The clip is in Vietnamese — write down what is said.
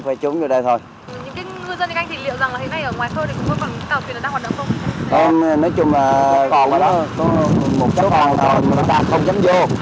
nói chung là có một chút còn rồi mà tàu không dám vô